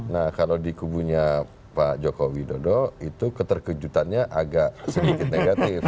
nah kalau di kubunya pak joko widodo itu keterkejutannya agak sedikit negatif